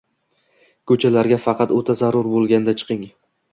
Ko'chalarga faqat o'ta zarur bo'lganda chiqing